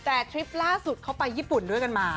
แต่ทริปล่าสุดเขาไปญี่ปุ่นด้วยกันมา